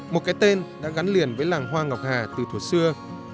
một cái tên đã gắn liền với làng hoa ngọc hà từ thủ xưa